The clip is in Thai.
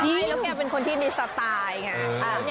ใช่แล้วแกเป็นคนที่มีสไตล์ไง